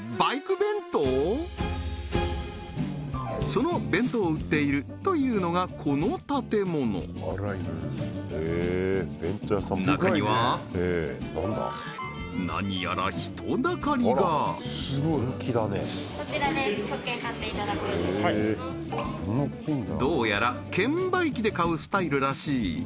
その弁当を売っているというのがこの建物中には何やら人だかりがどうやら券売機で買うスタイルらしい